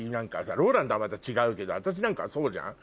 ＲＯＬＡＮＤはまた違うけど私なんかはそうじゃん。